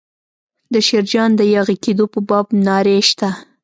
د شیرجان د یاغي کېدو په باب نارې شته.